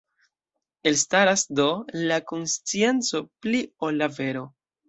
Elstaras, do, la konscienco pli ol la vero.